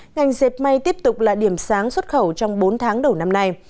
ngành dẹp may tiếp tục là điểm sáng xuất khẩu trong bốn tháng đầu năm nay